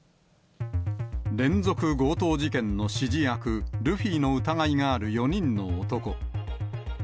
連続強盗事件の指示役、ルフィの疑いがある４人の男。